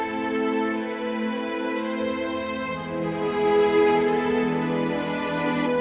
tenteng semua buolethen ke engraiknya